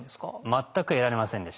全く得られませんでした。